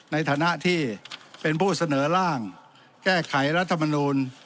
ในฐานะที่เป็นผู้เสนอร่างแก้ไขรัฐมนูล